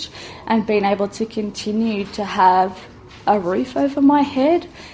dan bisa terus memiliki rumput di atas kepala saya